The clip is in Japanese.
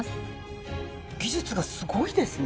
技術がすごいですね。